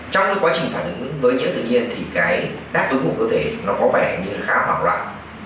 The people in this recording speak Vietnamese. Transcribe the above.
trong cái quá trình phản ứng với nhiễm tự nhiên thì cái đáp ứng của cơ thể nó có vẻ như là khá là hoảng loạn